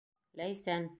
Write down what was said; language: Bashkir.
Ләйсән!